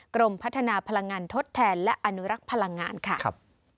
กรมพัฒนาพลังงานทดแทนและอนุรักษ์พลังงานค่ะ